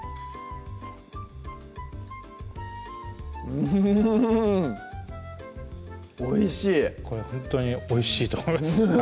うんおいしいこれほんとにおいしいと思います